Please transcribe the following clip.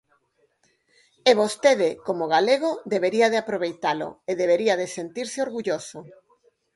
E vostede, como galego, debería de aproveitalo e debería de sentirse orgulloso.